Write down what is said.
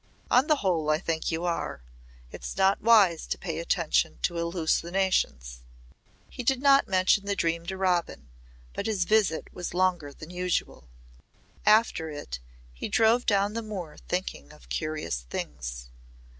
On the whole I think you are. It's not wise to pay attention to hallucinations." He did not mention the dream to Robin, but his visit was longer than usual. After it he drove down the moor thinking of curious things.